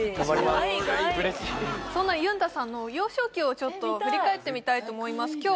そんなゆんたさんの幼少期をちょっと振り返ってみたいと思います